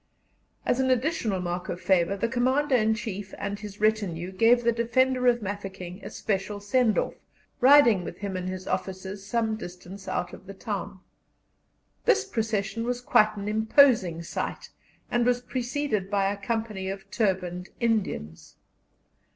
As an additional mark of favour, the Commander in Chief and his retinue gave the defender of Mafeking a special send off, riding with him and his officers some distance out of the town. This procession was quite an imposing sight, and was preceded by a company of turbaned Indians.